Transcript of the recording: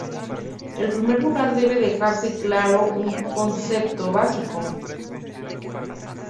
En primer lugar debe dejarse claro un concepto básico.